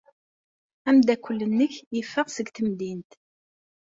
Ameddakel-nnek yeffeɣ seg temdint.